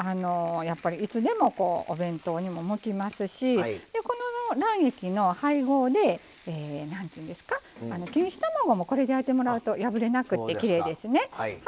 やっぱりいつでもお弁当にも向きますしこの卵液の配合で何ていうんですか錦糸卵もこれで焼いてもらうと破れなくてきれいですね。